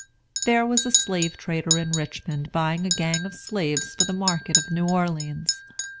There was a slave trader in Richmond buying a gang of slaves for the market of New Orleans.